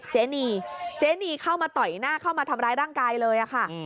เจนีเจนีเข้ามาต่อยหน้าเข้ามาทำร้ายร่างกายเลยค่ะ